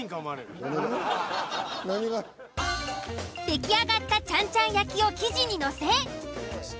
出来上がったちゃんちゃん焼きを生地にのせ。